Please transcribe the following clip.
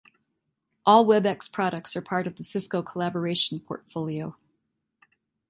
All WebEx products are part of the Cisco collaboration portfolio.